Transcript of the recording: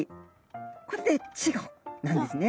これで稚児なんですね。